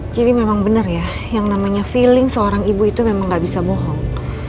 jadi memang bener ya yang namanya feeling seorang ibu itu memang nggak bisa bohong